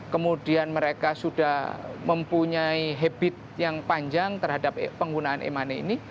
kemudian mereka sudah mempunyai habit yang panjang terhadap penggunaan e money ini